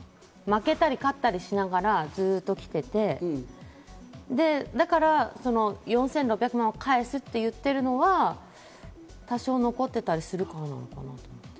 負けたり勝ったりしながらずっときてて、だから４６００万を返すって言ってるのは多少残ってたりするからなのかな？